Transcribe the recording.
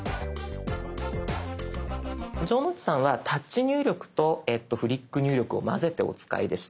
城之内さんはタッチ入力とフリック入力をまぜてお使いでした。